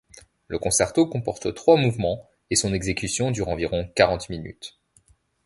Le concerto comporte trois mouvements et son exécution dure environ quarante minutes.